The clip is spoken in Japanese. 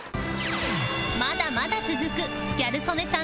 まだまだ続くギャル曽根さん